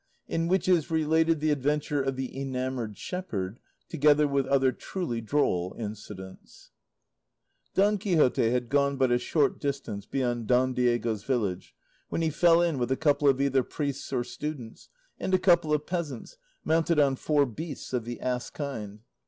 IN WHICH IS RELATED THE ADVENTURE OF THE ENAMOURED SHEPHERD, TOGETHER WITH OTHER TRULY DROLL INCIDENTS Don Quixote had gone but a short distance beyond Don Diego's village, when he fell in with a couple of either priests or students, and a couple of peasants, mounted on four beasts of the ass kind.